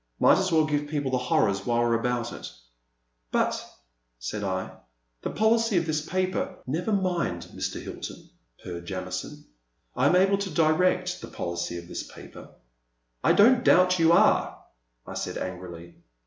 Might as well give people the horrors while we 're about it." *' But," said I, the policy of this paper "Never mind, Mr. Hilton," purred Jamison, I am able to direct the policy of this paper." I don't doubt you are," I said angrily.